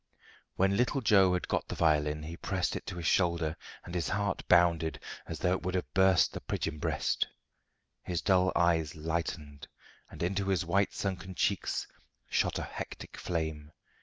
When little Joe had got the violin he pressed it to his shoulder, and his heart bounded as though it would have burst the pigeon breast. His dull eyes lightened, and into his white sunken cheeks shot a hectic flame.